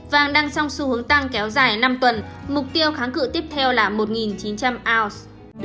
vàng đang song xu hướng tăng kéo dài năm tuần mục tiêu kháng cự tiếp theo là một chín trăm linh ounce